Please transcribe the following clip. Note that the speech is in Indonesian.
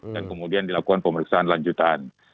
dan kemudian dilakukan pemeriksaan lanjutan